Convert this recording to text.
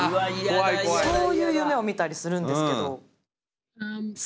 そういう夢を見たりするんですけど。